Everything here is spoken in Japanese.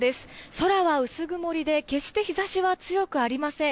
空は薄曇りで決して日差しは強くありません。